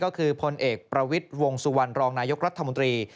ก็คือพลเอกประวิทย์วงสุวรรณรองนายกรัฐมนตรี